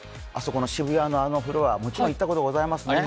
渋谷のあのフロア、もちろん行ったことありますね？